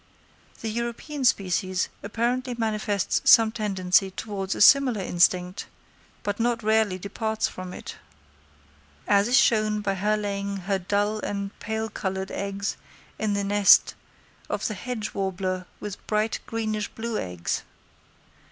The European species apparently manifests some tendency towards a similar instinct, but not rarely departs from it, as is shown by her laying her dull and pale coloured eggs in the nest of the hedge warbler with bright greenish blue eggs.